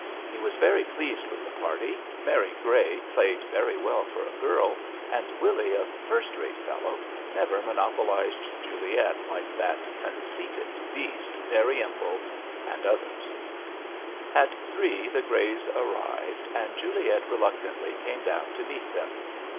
He was very pleased with the party. Mary Grey played very well for a girl, and Willie, a first rate fellow, never monopolized Juliet like that " conceited beast," Dal rymple, and others. At three the Greys arrived, and Juliet reluctantly came down to meet them.